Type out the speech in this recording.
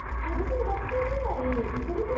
学生時代。